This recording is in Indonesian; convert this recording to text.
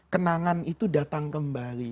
kenangan itu datang kembali